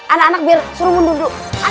anak anak biar suruh mundur dulu